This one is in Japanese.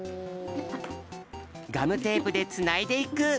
ガムテープでつないでいく。